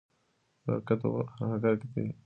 برکت په حرکت کې دی.